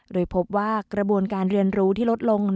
โดยพบว่ากระบวนการเรียนรู้ที่ลดลง